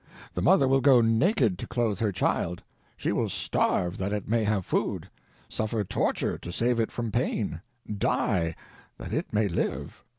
The mother will go naked to clothe her child; she will starve that it may have food; suffer torture to save it from pain; die that it may live.